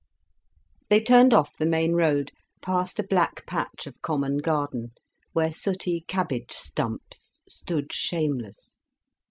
They turned off the main road, past a black patch of common garden, where sooty cabbage stumps stood shameless.